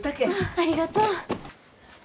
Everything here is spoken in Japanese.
ありがとう。